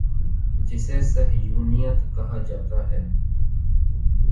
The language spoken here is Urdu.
جسے صہیونیت کہا جا تا ہے۔